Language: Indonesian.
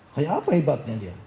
kayak apa hebatnya dia